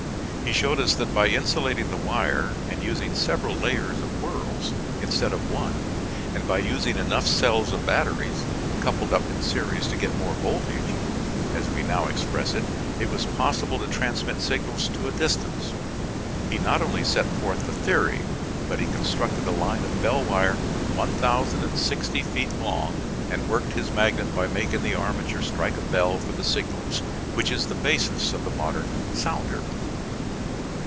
He showed us that by insulating the wire and using several layers of whirls, instead of one, and by using enough cells of battery coupled up in series to get more voltage, as we now express it, it was possible to transmit signals to a distance. He not only set forth the theory, but he constructed a line of bell wire 1060 feet long and worked his magnet by making the armature strike a bell for the signals, which is the basis of the modern "sounder."